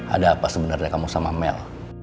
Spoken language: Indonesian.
ada apa sebenarnya kamu sama mel